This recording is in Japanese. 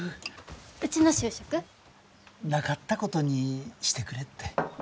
うちの就職？なかったことにしてくれって。